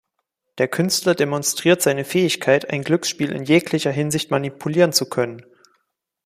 Der Künstler demonstriert seine Fähigkeit, ein Glücksspiel in jeglicher Hinsicht manipulieren zu können.